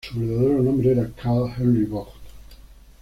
Su verdadero nombre era Carl Henry Vogt.